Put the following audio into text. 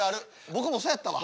僕もそうやったわ。